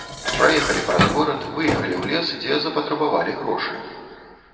Праехалі праз горад, выехалі ў лес, дзе запатрабавалі грошы.